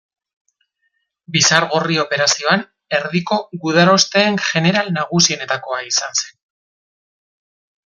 Bizargorri Operazioan erdiko gudarosteen jeneral nagusienetakoa izan zen.